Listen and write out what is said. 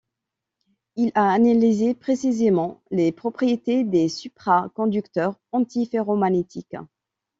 Il a analysé précisément les propriétés des supraconducteurs antiferromagnétiques.